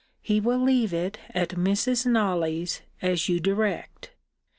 He will leave it at Mrs. Knolly's, as you direct.